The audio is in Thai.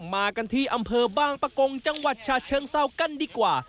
มากันที่อำเภอบางปะกงจังหวัดฉะเชิงเศร้ากันดีกว่า